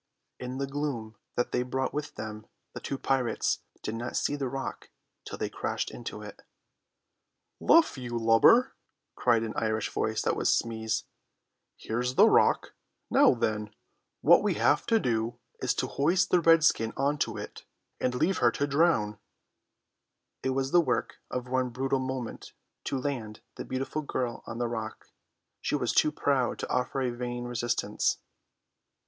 In the gloom that they brought with them the two pirates did not see the rock till they crashed into it. "Luff, you lubber," cried an Irish voice that was Smee's; "here's the rock. Now, then, what we have to do is to hoist the redskin on to it and leave her here to drown." It was the work of one brutal moment to land the beautiful girl on the rock; she was too proud to offer a vain resistance.